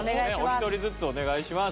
お一人ずつお願いします。